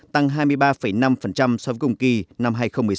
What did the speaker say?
tăng hai mươi ba năm so với cùng kỳ năm hai nghìn một mươi sáu